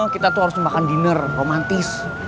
kita tuh harus makan dinner romantis